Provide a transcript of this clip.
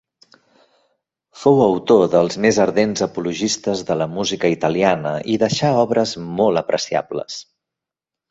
Fou autor dels més ardents apologistes de la música italiana i deixà obres molt apreciables.